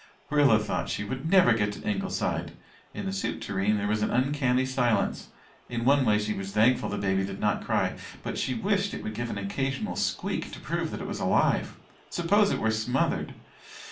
Rilla thought she would never get to Ingleside. In the soup tureen there was an uncanny silence. In one way she was thankful the baby did not cry but she wished it would give an occasional squeak to prove that it was alive. Suppose it were smothered!